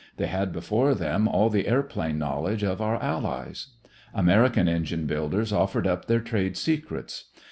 They had before them all the airplane knowledge of our allies. American engine builders offered up their trade secrets.